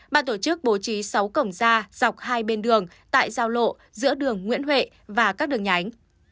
ban tổ chức bố trí sáu cổng ra dọc hai bên đường tại giao lộ giữa đường nguyễn huệ và các đường nhánh